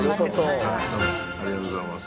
ありがとうございます